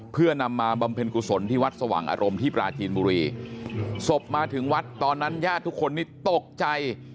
เพื่อนำมาบำเพ็ญกุศลที่วัดสว่างอารมณ์ที่ปราจีนบุรีศพมาถึงวัดตอนนั้นญาติทุกคนนี้ตกใจ